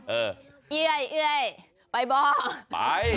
เอ๋ย๋๋ย๋ย๋ไปบอก